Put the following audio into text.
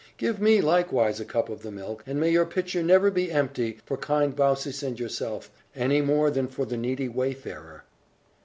"Give me likewise a cup of the milk; and may your pitcher never be empty for kind Baucis and yourself, any more than for the needy wayfarer!"